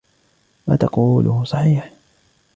ما تقوله صحيح.